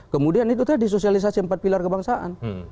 kemudian itu tadi sosialisasi empat pilar kebangsaan